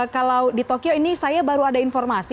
kalau di tokyo ini saya baru ada informasi